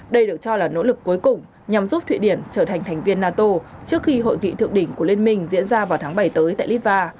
đây được cho là nỗ lực cuối cùng nhằm giúp thụy điển trở thành thành viên nato trước khi hội nghị thượng đỉnh của liên minh diễn ra vào tháng bảy tới tại litva